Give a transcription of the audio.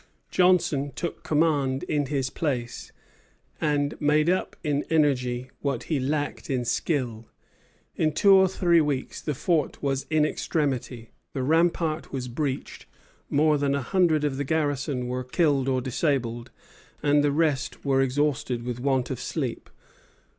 Johnson took command in his place, and made up in energy what he lacked in skill. In two or three weeks the fort was in extremity. The rampart was breached, more than a hundred of the garrison were killed or disabled, and the rest were exhausted with want of sleep.